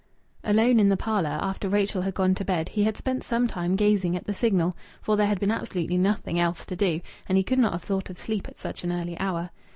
Alone in the parlour, after Rachel had gone to bed, he had spent some time in gazing at the Signal; for there had been absolutely nothing else to do, and he could not have thought of sleep at such an early hour.